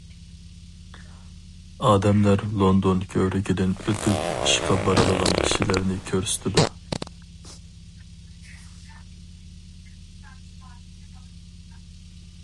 « ئادەملەر» لوندون كۆۋرۈكىدىن ئۆتۈپ ئىشقا بارىدىغان كىشىلەرنى كۆرسىتىدۇ.